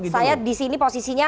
saya di sini posisinya